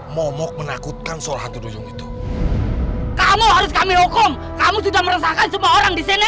momok menakutkan soal hantu dusun itu kamu harus kami hukum kamu sudah meresahkan semua orang di sini